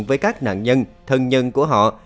với các nạn nhân thân nhân của họ